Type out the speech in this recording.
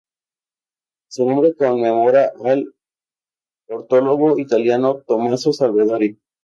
Su nombre conmemora al ornitólogo italiano Tommaso Salvadori.